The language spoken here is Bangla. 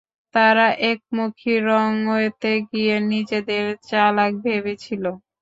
তারা একমুখী রং ওয়েতে গিয়ে নিজেদের চালাক ভেবেছিলো।